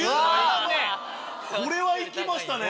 これは行きましたね！